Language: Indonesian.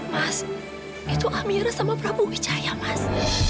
mas itu amira sama prabu wicaya mas